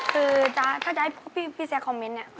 คือถ้าจะให้พี่แซคคอมเมนต์เนี่ย